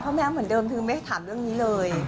แมวเหมือนเดิมคือไม่ถามเรื่องนี้เลย